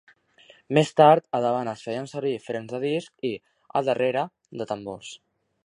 Més tard, a davant es feien servir frens de disc i, a darrere, de tambor.